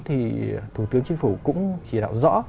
thì thủ tướng chính phủ cũng chỉ đạo rõ